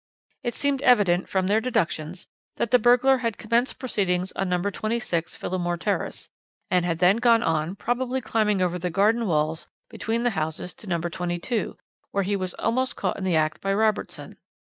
It seemed evident, from their deductions, that the burglar had commenced proceedings on No. 26, Phillimore Terrace, and had then gone on, probably climbing over the garden walls between the houses to No. 22, where he was almost caught in the act by Robertson.